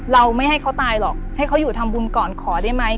เราไม่ให้เขาตายหรอกให้เขาอยู่ทำบุญก่อนขอได้ไหม